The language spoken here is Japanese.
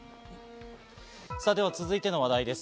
さあ、では続いての話題です。